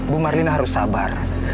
bu marlina harus sabar